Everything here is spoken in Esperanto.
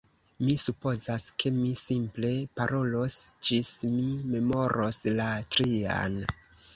Mi supozas, ke mi simple parolos ĝis mi memoros la trian.